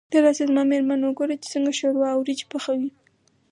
ته راشه زما مېرمن وګوره چې څنګه شوروا او وريجې پخوي.